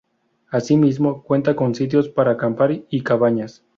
Así mismo, cuenta con sitios para acampar y cabañas.